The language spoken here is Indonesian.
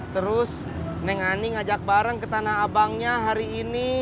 terus nengani ngajak bareng ke tanah abangnya hari ini